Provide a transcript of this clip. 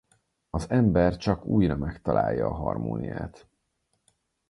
Az ember csak újra megtalálja a harmóniát.